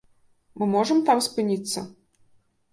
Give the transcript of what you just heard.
Мы можа там спыніцца?